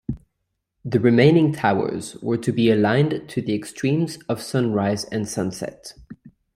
The remaining towers were to be aligned to the extremes of sunrise and sunset.